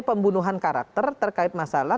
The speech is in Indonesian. pembunuhan karakter terkait masalah